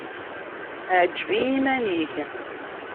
Ɛǧeb i yiman-ik.